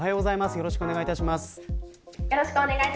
よろしくお願いします。